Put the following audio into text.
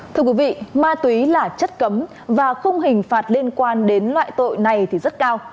thưa quý vị ma túy là chất cấm và khung hình phạt liên quan đến loại tội này thì rất cao